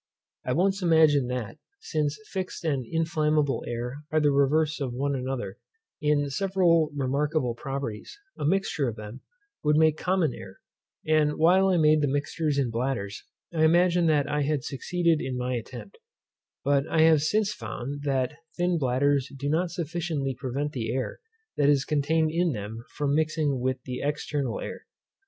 I once imagined that, since fixed and inflammable air are the reverse of one another, in several remarkable properties, a mixture of them would make common air; and while I made the mixtures in bladders, I imagined that I had succeeded in my attempt; but I have since found that thin bladders do not sufficiently prevent the air that is contained in them from mixing with the external air.